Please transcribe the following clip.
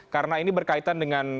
karena ini berkaitan dengan